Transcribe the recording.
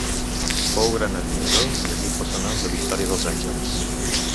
Fou gran admirador i amic personal de Victòria dels Àngels.